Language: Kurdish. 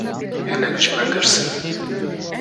Hinek ji me girs in.